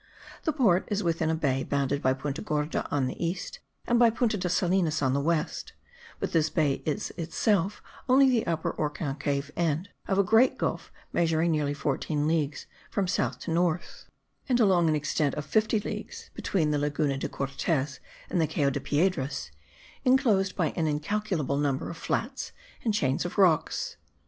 The port is within a bay bounded by Punta Gorda on the east, and by Punta de Salinas on the west: but this bay is itself only the upper or concave end of a great gulf measuring nearly fourteen leagues from south to north, and along an extent of fifty leagues (between the Laguna de Cortez and the Cayo de Piedras) inclosed by an incalculable number of flats and chains of rocks.